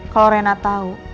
kalau reina tahu